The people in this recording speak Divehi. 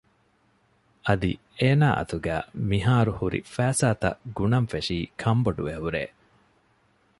އަދި އޭނާ އަތުގައި މިހާރު ހުރި ފައިސާތައް ގުނަން ފެށީ ކަންބޮޑުވެ ހުރޭ